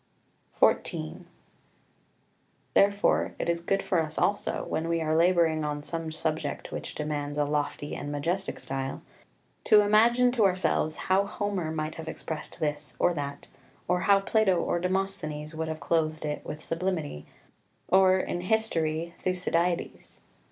[Footnote 2: Opp. 29.] XIV Therefore it is good for us also, when we are labouring on some subject which demands a lofty and majestic style, to imagine to ourselves how Homer might have expressed this or that, or how Plato or Demosthenes would have clothed it with sublimity, or, in history, Thucydides.